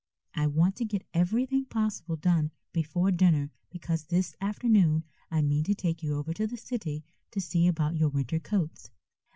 I want to get everything possible done before dinner because this afternoon I mean to take you over to the city to see about your winter coats."